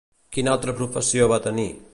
Quina altra professió va tenir?